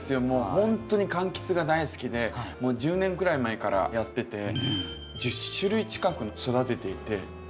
もうほんとに柑橘が大好きでもう１０年ぐらい前からやってて１０種類近く育てていて。